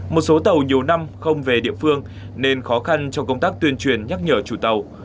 một số tàu nhiều năm không về địa phương nên khó khăn trong công tác tuyên truyền nhắc nhở chủ tàu